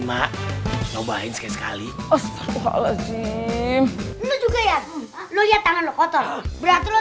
mak cobain sekali lu juga ya lu lihat tangan lo kotor berat lo